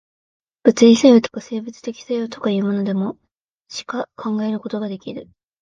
物理作用とか、生物的作用とかいうものでも、しか考えることができる。